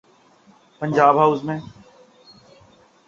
Punjab house میں۔